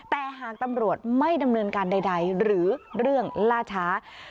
แต่หากตำรวจไม่ดำเนินการใดหรือเรื่องล่าช้า